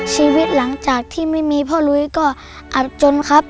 ชีวิตหลังจากที่ไม่มีพ่อลุยก็อับจนครับ